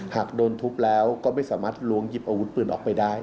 หากโดนทุบแล้วก็ไม่สามารถล้วงหยิบอาวุธปืนออกไปได้